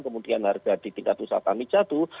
kemudian harga di tingkat usaha tani jatuh